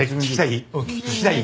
聞きたい？